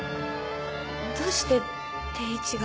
どうして貞一が？